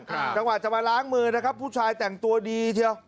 จังหวะจะมาล้างมือนะครับผู้ชายแต่งตัวดีเชียว